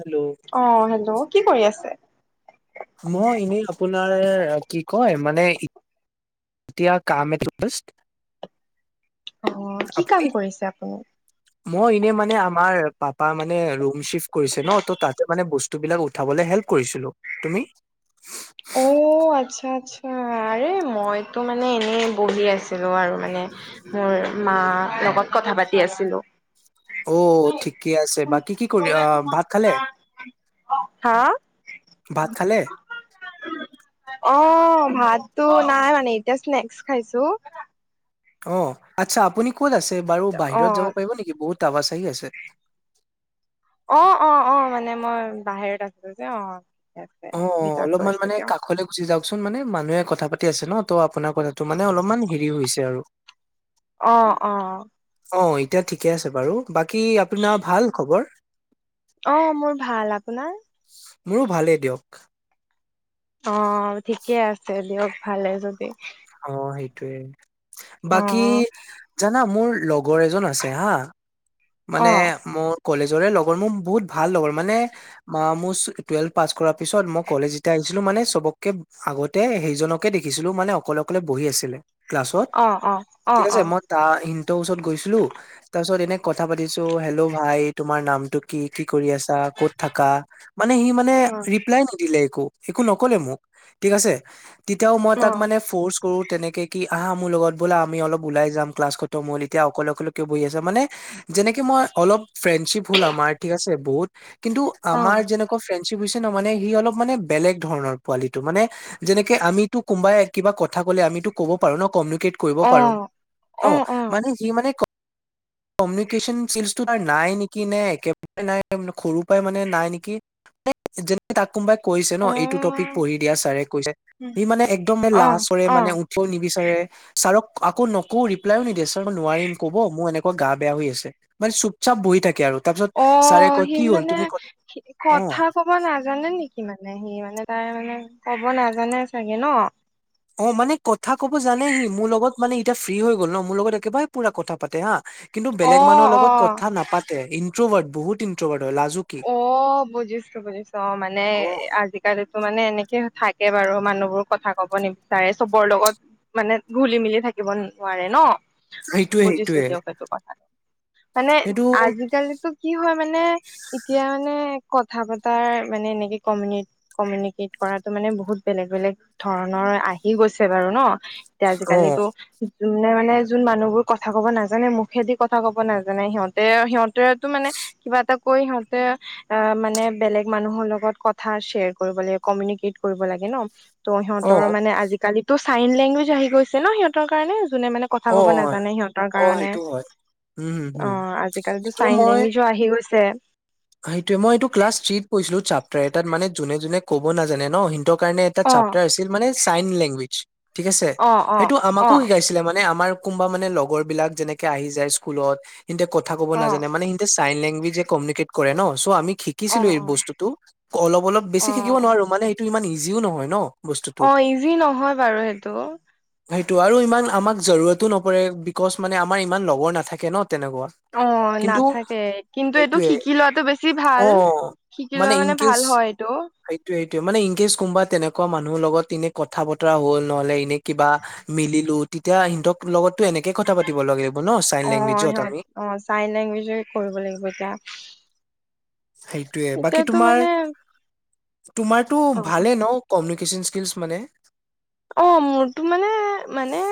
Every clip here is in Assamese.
হেল্ল' অঁ হেল্ল' কি কৰি আছে। মই এনেই আপোনাৰ কি কয় মানে তিয়া কামেত পষ্ট অ কি কাম আপুনি কৰিছে আপুনি? মই এনে মানে আমাৰ পাপা মানে ৰুম চিফ্ট কৰিছে ন ত তাতে মানে বস্তু বিলাক উঠাবলে হেল্প কৰিছিলো তুমি। অঁ অঁ আচ্ছা আচ্ছা আৰে মইতো মানে এনেই বহি আছিলো আৰু মানে মোৰ মাৰ লগত কথা পাতি আছিলো। অঁ ঠিকে আছে বাকী কি কৰি আহ ভাত খালে। হা ভাত খালে। অঁ ভাততো নাই মানে এতিয়া স্নেক্স খাইছো। অঁ আচ্ছা আপুনি ক'ত আছে বাৰু অ বাহিৰত যাব পাৰিব নেকি বহুত তাৱা চাকি আছে। অ অ অ মানে মই বাহিৰত আছিলো যে অহ অ অলপমান মানে কাষলৈ গুচি যাওকচোন মানে মানুহে কথা পাতি আছে ন ত আপোনাৰ কথাটো মানে অলপমান হেৰি হৈছে আৰু। অ অ অ এতিয়া ঠিকে আছে বাৰু বাকী আপোনাৰ ভাল খবৰ অ মোৰ ভাল আপোনাৰ মোৰো ভালেই দিয়ক অ ঠিকে আছে দিয়ক ভালে যদি অ সেইটোয়ে অ বাকী জানা মোৰ লগৰ এজন আছে হা অ মানে মোৰ কলেজৰে লগৰ মোৰ বহুত ভাল লগৰ মানে ম মোৰ টুৱেলভ পাছ কৰাৰ পিছত মই কলেজ যেতিয়া ছিলো মানে চবককে আগতে সেইজনকে দেখিছিলো মানে অকলে অকলে বহি আছিলে। ক্লাছত অ অ অ ঠিক আছে অ মই তাৰটোৰ ওচৰত গৈছিলো তাৰপিছত এনে কথা পাতিছো হেল্ল' ভাই তোমাৰ নামটো কি কি কৰি আছা ক'ত থাকা। মানে সি মানে অ ৰিপ্লাই নিদিলে একো। একো নকলে মোক থিক আছে। তেতিয়াও মই অ', তাক মানে ফোৰ্চ কৰো তেনেকে কি আহা মোৰ লগত বল আমি অলপ ওলাই যাম ক্লাছতো মল এতিয়া অকলে অকলে কিয় বহি আছে মানে যেনেকে মই অলপ ফ্ৰেণ্ডশ্বিপ হল আমাৰ ঠিক আছে বহুত কিন্তু আমাৰ অ', যেনেকুৱা ফ্ৰেণ্ড বুজছে ন মানে সি অলপ মানে বেলেগ ধৰণৰ পোৱালিটো মানে যেনেকে আমিতো কোনোবাই কিবা কথা কলে আমি ত ক'ব পাৰো ন কমিউনেট কৰিব পাৰো অ', ন অ', অ', যি মানে কমিউনিকেশ্যন চিল্চটো ত নাই নেকি নে একেবাৰে নাই সৰুৰ পৰাই মানে নাই নেকি যেনে তাক কোনোবাই কৈছে ন অ এইটো টপিক পঢ়ি দিয়া ছাৰে কৈছে সি মানে একদম অ লাজৰে মানে অ। উঠও নিবি চাগে ছাৰক আকৌ নকৌ ৰিপ্লাই নিদিয়ে ছাৰই নোৱাৰিম ক'ব মোৰ এনেক গা বেয়া হৈ আছে মানে চুপ চাপ বহি থাকে আৰু তাৰপিছত অ ছাৰে কয় সি কি হ'ল মানে তুমি ক অ কথা কব নাজানে নেকি মানে সি মানে বেটাতাই মানে ক'ব নাজানে চাগে ন অ মানে কথা কব জানেহি মোৰ লগত মানে ইতিয়া ফ্ৰী হৈ গ'ল ন মোৰ লগত একেবাৰে পোৰা কথা পাতে হা কিন্তু অ', বেলেগ মানুহৰ লগত অ', কথা নাপাতে ইন্ট্ৰভাৰ্ট বহুত ইনট্ৰভাৰ্ট। অ বুজিছো বুজিছো অ মানে অ আজিকালিটো মানে এনেকে থাক তাকে বাৰু মানুহবোৰ কথা কব নিবিচাৰে চবৰ লগত মানে খোলি মেলি থাকিব নোৱাৰে ন সেইটোৱে, বুজিছো সেইটোৱে। দিয়ক সেইটো কথাটো মানে সেইটো আজিকালিটো কি হয় মানে এতিয়া মানে কথা পতাৰ মানে এনেকে কমিউ কমিউনিকেট কৰাতো মানে বহুত বেলেগ বেলেগ ধৰণৰ। আহি গৈছে বাৰু ন এতিয়া অ, আজিকালিটো যোনে মানে যোন মানুহবোৰ কথা কব নাজানে মুখেদি কথা ক'ব নাজানে সিহঁতে সিহঁতেতো মানে কিবা এটা কৈ হ অ মানে বেলেগ মানুহৰ লগত কথা শ্বেয়াৰ কৰিব লাগে কমিউনিকেট কৰিব লাগে ন। ত' অ, সিহঁতৰ মানে আজিকালিতো চাইন লেংগুৱেজ আহি গৈছে ন সিহঁতৰ কাৰণে। যোনে মানে কথা অ, ক'ব হয়, নাজানে সিহঁতৰ অ, কাৰণে। সেইটো হয়। উম, হুম, অ হুম। আজিকালিটো চাইন লেংগুৱেজো আহি গৈছে সেইটোয়ে মই এইটো ক্লাছ থ্ৰীত পঢিছিলো চাপটাৰত এটাত তাত মানে যোনে যোনে ক'ব নাজানে ন সিহঁতৰ কাৰ এটাৰ অ আছিল মানে লেংগুৱেজ [unintelligible] ঠিক আছে অ অ সেটো অ আমাকো শিকাইছিলে মানে আমাৰ কোনোবা মানে লগৰ বিলাক যেনেকে আহি যায় স্কুলত হেতে কথা ক'ব অ নাজানে মানে সহতে চাইন লেংগুৱেজ কমিউনেট কৰে ন চৌ আমি অ অ শিকিছিলো এই বস্তুটো অলপ অলপ বেছি অ শিকিব নোৱাৰো মানে এইটো ইমান ইজি ইজিও নহয় ন। বস্তুটো। অ ইজি নহয় বাৰু সেইটো সেইটো আৰু ইমান আমাক জৰুৰতো নপৰে বিকজ মানে আমাৰ ইমান লগৰ নাথাকে ন। তেনেকুৱা অ কিন্তু নাথাকে কিন্তু এইটো সেইটোয়ে শিকি লোৱাটো বেছি ভাল অ শিকি লোৱা মানে ভাল ইনকেছ- হয় এইটো সেইটোৱে - সেইটোৱে, মানে ইনকেছ কোনবা তেনে কুৱা মানুহৰ লগত এনে কথা-বতৰা হ'ল, নহ'লে এনে কিবা মিলিলোঁ। তেতিয়া হিন্তক লগতো এ নেকে কথা পাতিব লাগে। অ' সিহঁত- অ' ছাইন লেংগুৱেজে কৰিব লাগিব এতিয়া। সেইটোৱে। বাকী এতিয়াতো তোমাৰ, মানে তোমাৰতো অ ভালে ন' কমি কিচন স্কিলছ মানে। অ' মোৰটো মানে - মানে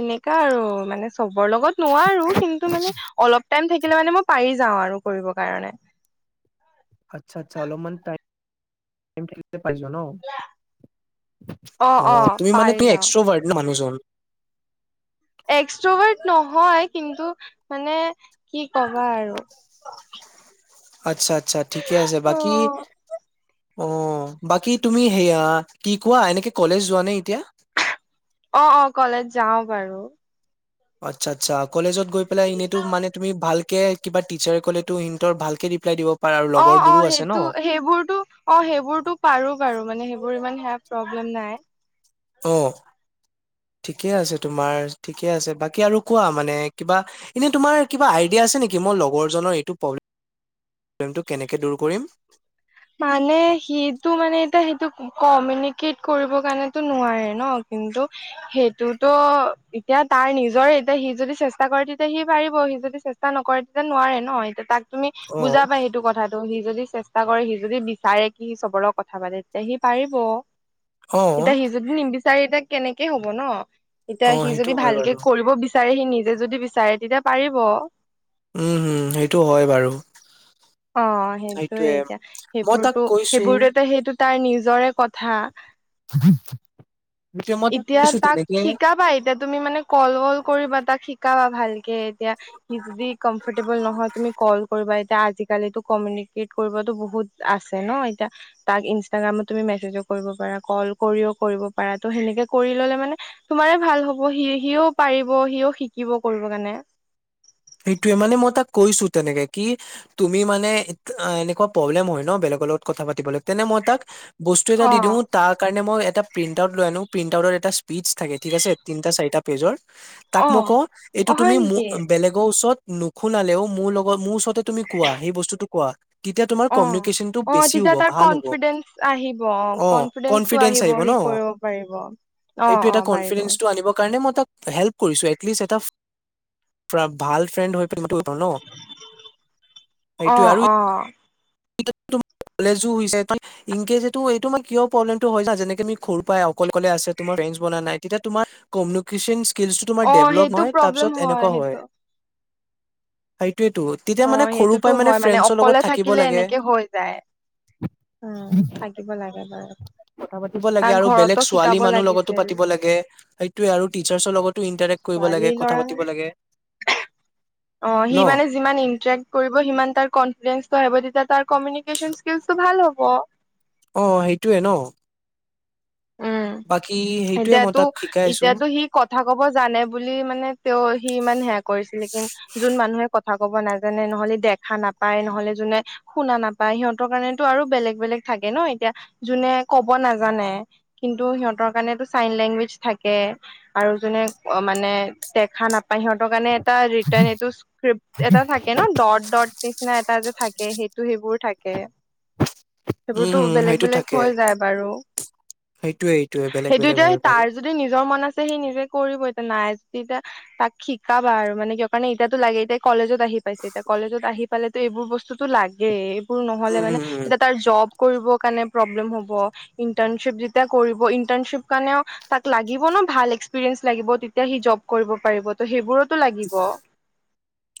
এনেকা আৰু মানে চবৰ লগত নোৱাৰোঁ, কিন্তু মানে অলপ টাইম থাকিলে মানে মই পাৰি যা ও আৰু কৰিব কাৰণে। আচ্ছা - আচ্ছা, অলপমান টাইম পাই যোৱা ন'? অ' তুমি মানেতো এক্সট্ৰভাৰ্ট ন' মানুহজন? এক্সট্ৰভাৰ্ট নহয়। কিন্তু মানে কি কবা আৰু। অ আচ্ছা - আচ্ছা, ঠিকে আছে । বাকী অ' বাকী তুমি সেয়া কি কোৱা, এনেকে কলেজ যোৱা নে? এতিয়া অ' - অ', কলেজ যাওঁ বাৰু। আচ্ছা - আচ্ছা । কলেজত গৈ পেলাই এনেতো মানে তুমি ভাল কে কিবা টিচাৰে ক'লেতো হিন্তৰ ভালকে ৰিপ্লাই দিব পাৰা আৰু অ' - লগৰবোৰো অ' আছে ন সেইটো- সেইবোৰটো- অ' সেইবোৰটো পাৰোঁ বাৰু, মানে সেইবোৰ ইমান সেয়া প্ৰব্লেম নাই। অ'। ঠিকে আছে তোমাৰ, ঠিকে আছে । বাকী আৰু কোৱা মানে, কিবা এনে, তোমাৰ কিবা আইডি য়া আছে নেকি? মই লগৰজনৰ এইটো প্ৰব্লেমটো কেনেকে দূৰ কৰিম? মানে সিটো মানে এতিয়া সেইটো কমিউনিকেট কৰিবৰ কাৰণেতো নোৱাৰে ন'? কিন্তু সেইটোতো এতিয়া তাৰ নিজৰে এতিয়া সি যদি চেষ্টা কৰে তেতিয়া সি পাৰিব। সি যদি চেষ্টা নকৰে, তেতিয়া নোৱাৰে ন' । এতিয়া তাক তুমি অ বুজাবা সেইটো কথাটো। সি যদি চেষ্টা কৰে সি যদি বিচাৰে কি সি চবৰ লক কথা পাতে, তেতিয়া সি পাৰিব অ । এতিয়া সি যদি নিবিচ চাৰে এতিয়া কেনেকে হ'ব ন' । এতিয়া অ সি সেইটো যদি হয় বাৰু ভালকে কৰিব বিচ চাৰে, সি নিজে যদি বিচাৰে, তেতিয়া পাৰিব। উম - হুম, সেইটো হয় বাৰু। অ' সেইটোৱে সেইটোয়ে এতিয়া । মই তাক সেইবোৰতো- কৈছো সেইবোৰটোতে সেইটো তাৰ নিজৰে কথা [unintelligible] এতিয়া কৈছো তাক তেনেকে শিকাবা এতিয়া, তুমি মানে ক'ল-বল কৰিবা তাক, শিকাবা ভালকে এতিয়া, সি যদি কমফৰ্টেবল নহয়, তুমি ক'ল কৰিবা এ এতিয়া আজিকালিতো কমিউনিকেট কৰিবতো বহুত আছে ন' এতিয়া । তাক ইনষ্টাগ্ৰামত তুমি মেছেজো কৰিব পাৰা, ক'ল কৰিও কৰিব পাৰা। তো সেনেকে কৰি ল'লে মানে তোমাৰে ভাল হব, সি- সিও পাৰিব, সিও শিকিব কৰিব কাৰণে। উ সেইটোৱে। মানে মই তাক কৈছোঁ তেনেকে কি, তুমি মানে এত- এনেকুৱা প্ৰব্লেম হয় ন' বেলেগ ৰ লগত কথা পাতিবলৈ। তেনে মই তাক বস্তু এটা অ দি দিওঁ । তাৰ কাৰণে মই এটা প্ৰিণ্টাউট লৈ আনোঁ। প্ৰিন্টাউটত এটা স্পিচ থাকে, ঠিক আছে । তিনিটা-চাৰিটা পেজৰ তাক অ মই কওঁ, এইটো অ', হয় তুমি নেকি মো- বেলেগ ওচৰত নুশুনালেও, মোৰ লগত মোৰ ওচৰতে তুমি কোৱা, সেই বস্তুটো কোৱা। তেতিয়া তোমাৰ অ'। কমিউনিকেশ্যনটো অ' বেছি তেতিয়া হ'ব তাৰ ভাল হ'ব কনফিডেন্স আহিব। অ' কনফিডেন্সটো আহিব। সি কৰিব পাৰিব। সেইটো অ এটা পাৰিব কনফিডেন্সটো আনিব কাৰণে মই তাক হেল্প কৰিছোঁ, এটলিষ্ট এটা ভাল ফ্ৰেন্ড হৈ ন' অ সেইটোৱে আৰু অ [unintelligible] কলেজো হৈছে কাৰণ এইটো এইটো ম কিয় প্ৰব্লেমটো হৈছে যেনেকে ঘৰ পাই অকল অকলে আছে তোমাৰ। বনা নাই, এতিয়া তোমাৰ কমনিকেচন অ ডেভপ সেইটো প্ৰব্লেম হয় তেনে হয়। সেইটো সেইটোয়েতো তেতিয়া অ মানে সৰুৰ সেইটোতো পৰাই হয় মানে ফ্ৰেণ্ডছৰ লগত অকলে থাকিব থাকিলে লাগে এনেকে হৈ যায়। উম থাকিব লাগে বাৰু--। কথা পাতিব লাগে তাক আৰু ঘৰতো বেলেগ ছোৱালী শিকাব মানুহ লগতো লাগিছিল পাতিব লাগে সেইটোয়ে আৰু টিচাৰ্চৰ লগতো ইন্টাৰে্। কৰিব ছোৱালী লাগ কথা ল'ৰা মানে পাতিব লাগে। অ ন সি মানে যিমান ইন্টাৰেক্ট কৰিব সিমান তাৰ কনফিডেন্সটো আহিব তেতিয়া । তাৰ কমিউনিক্যন স্কিলছটো ভাল হ'ব। অ সেইটোৱে ন। উম বাকী। সেইটোয়ে মই এতিয়াতো তাক শিকাই আছো এতিয়াতো সি কথা কব জানে বুলি মানে তেওঁ সি ইমান হেয়া কৰিছিলে। যোন মানুহে কথা। ক'ব নাজানে নহলে দেখা নাপায় নহলে যোনে শুনা নাপায় সিহঁতৰ কাৰণেতো আৰু বেলেগ বেলেগ থাকে। লাগে ন এতিয়া যোনে কব নাজানে । কিন্তু সিহঁতৰ কাৰণো চাইন লেংগুৱেজ থাকে আৰু যোনে মানে দেখা নাপ হিহঁতৰ কাৰণে। এটা ৰিটাৰ্ণ এইটো্ক্ৰিপট এটা থাকে ন ডট ডট নিচিনা এটা যে থাকে সেইটো সেইবোৰ থাকে। উম সেইবোৰতো হম বেলেগ সেইটো বেলেগ থাকে হৈ যায় বাৰু। সেইটোয়ে সেইটোয়ে বেলেগ সেইটো বেলেগ এতিয়া হয় বাৰু তাৰ যদি নিজৰ মন আছে সি নিজে কৰিব, এতিয়া নাই। তেতিয়া তাক শিকাবা আৰু মানে কিয় কাৰণে এতিয়াতো লাগে এতিয়া কলেজত আহি পাইছে এতিয়া কলেজত আহি পালে। ত এইবোৰ বস্তুতটো লাগে এইবোৰ নহলে উম মানে উম উম এতিয়া তাৰ জব--। ফূৰিব কাৰণে প্ৰব্লেম হব্, ইন্টাৰ। তেতিয়া কৰিব ইণ্টাৰ্ণশ্বিপ কাৰণেও তাক লাগিব ন ভাল এক্সপিৰিয়েন্ঞ্চ লাগিব তেতিয়া সি জব কৰিব পাৰিব। ত সেইবোৰতো লাগিব।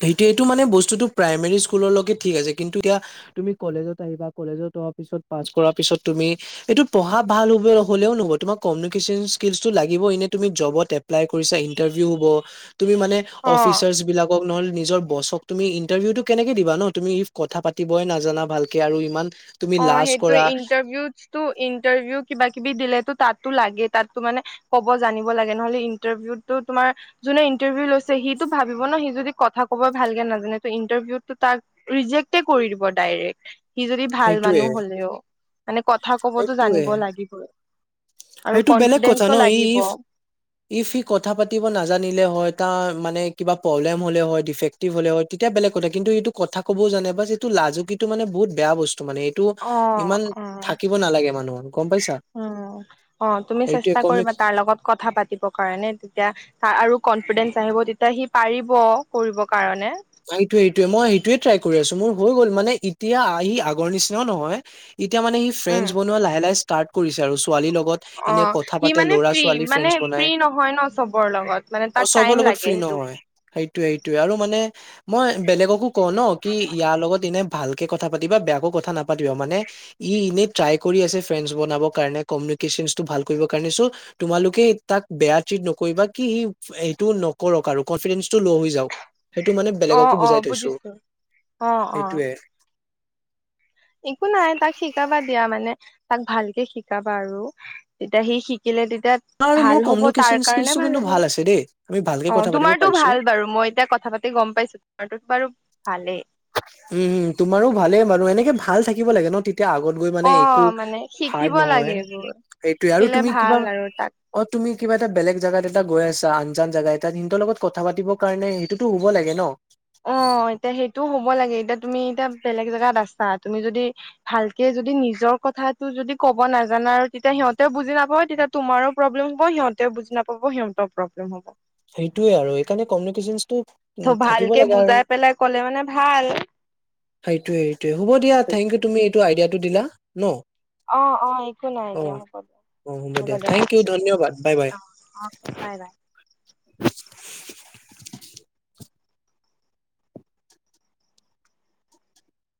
সেইটো এইটো মানে বস্তুটো প্ৰাইমেৰী স্কুলৰ লগকে ঠিক আছে কিন্তু এতিয়া তুমি কলেজত আহিবা কলেজত অ। পাচ্ কৰা পিছত তুমি এইটো পঢ়া ভাল হ হলেও নহব তোমাৰ কমিউনিকন্ ল। দিব এনেই তুমি যবতে । অ'। নহলে নিজৰ বছক তুমি ইণ্টাৰভিউটো কেনেকে দিবা ন তুমি ইফ কথা পাতিবই নাজানা ভালকে আৰু ইমান---। তুমি অ লাজ কৰা সেইটোোৱে ইণ্টাৰভিউো ইণ্টাৰভিউ কিবা কিবি দিলেতো তাত। লাগে তাতো মে কব জানিব লাগে নহলে ইন্টাৰভিউো তোমাৰ যোনে ইন্টাৰভিউ লৈছে সিটো, । ভাবিব ন সি যদি কথা কব ভালকৈ নাজানে, ইন্টাৰভিউত ৰিজেক্টে কৰি দিব ডাইৰেক্ট। যদি ভাল সেইটোয়ে মানুহ হলেও মানে কথা কবতো জানিব লাগিব। এইটো বেলেগ কথা ন ই লাগিব ইফ--। ইফ সি কথা পাতিব নাজানিলে হয় তাৰ মানে কিবা প্ৰব্লেম হলে হয় ডিফেক্টিভ হলে হয় তেতিয়া বেলেগ। কথা কিন্তু এইটো কথা ক'বও জানে বা এইটো লাজুকী টো মানে বহুত বেয়া বস্তু। মানে এইটো অ ইমান অ থাকিব নালাগে মানুহৰ গম পাইছা, । উম অ তুমি চেষ্টা কৰিবা তাৰ লগত কথা পাতিব কাৰণে তেতিয়া আৰু কনফাইদেন্স । চিব তেতিয়া সি পাৰিব কৰিবৰ কাৰণে, । সেইটোৱে সেইটোয়ে মই সেইটোয়ে ট্ৰাই কৰি আছো মোৰ হৈ গ'ল মানে। এতিয়া আহি আগৰ নিচিনাও নহয় এতিয়া মানে ই উম ফ্ৰেণ্ডছ বনোৱা লাহে লাহে ষ্টাৰ্ট কৰিছে আৰু--। ছোৱালীৰ লগত অ এনে কথা সি পাতে মানে ল'ৰা ফ্ৰী ছোৱালী মানে ফ্ৰেডছ ফ্ৰী বনাই, নহয় ন চবৰ লগত মানে অ তাক চব টাইম লগ। ত লাগে ফ্ৰী সেইটো নহয় সেই। এই এইটোয়ে আৰু মানে মই বেলেগকো কওঁ ন কি ইয়াৰ লগত এনে। ভালকে কথা পাতিবা বেয়াকো কথা নামাতিবা দেই, মানে ই এনেই ট্ৰাই কৰি আছে ফ্ৰেণ্ডছ বনাব কাৰণে কম। তোমালোকে তাক বেয়াকে নকবা, কি এইটো। আৰু কনফিডেঞ্চটো ল' হৈ যাক--। সেইটো মানে অ বেলেগকো অ বুজাই থৈছো, বুজিছো অ অ সেইটোৱে। একো নাই তাক শিকাবা দিয়া মানে। তাক ভালকে শিকাবা আৰু তেতিয়া সি শিকিলে তেয়া--। এতিয়া আৰু ভাল মোৰ হ'ব তাৰ কমিউনিকেশ্যন কাৰণে স্কিলচটো ভাল কিন্তু হ'ব আছে দেই আমি ভালকে অ কথা পাতিব তোমাৰটো পাৰিছো ভাল বাৰু মই এতিয়া কথা। কথা পাতি গম পাইছো তোমাৰটোত বাৰু ভালেই। উমম তোমাৰো ভালে বাৰু। এনেকে ভাল থাকিব লাগে ন টিত এতিয়া আগত গৈ মানে অ একো মানে শিকিব হাৰ্ড লাগে নহয়। এইবোৰ সেইটোৱে আৰু শিকিলে তুমি ভাল কিবা আৰু তাক অ তুমি কিবা এটা বেলেগ জাগাত এটা গৈ আছা, আনজান জেগা এটাত। সিনতৰ লগত কথা পাতিৰ কাৰণে সেইটোতো হ'ব লাগে ন অ। অ এতিয়া সেইটো হ'ব লাগে। এতিয়া তুমি এতিয়া বেলেগ জেগাত আছা, তুমি যদি ভালকে যদি নিজৰ কথা টো যদি ক'ব নাজানা আৰু তেতিয়া সিহঁতেও বুজি নাপাব। তেতিয়া তোমাৰো প্ৰব্লেম হ'ব, সিহঁতেও বুজি নাপাব। অ সিহঁতৰ প্ৰব্লেম হ'ব। সেইটোৱে আৰু এইকাৰণে কমিউনিকেচন ত ভালকে বুজাই পেলাই কলে মানে ভাল। সেইটোৱে, সেইটোৱে। হ'ব দিয়া, থেংক ইউ তুমি এইটো আইডিয়াটো দিলা। ন? অ-অ, একো নাই অ দিয়া হব। অ হ'ব দিয়া, থেংক ইউ ৰাখিছো দিয়া। ধন্যবাদ বাই বাই অ, অ বাই, বাই। [inaudible]